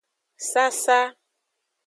Sasa.